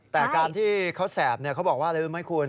แต่การที่เขาแสบเขาบอกว่าอะไรรู้ไหมคุณ